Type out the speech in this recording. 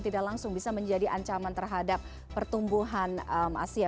tidak langsung bisa menjadi ancaman terhadap pertumbuhan asia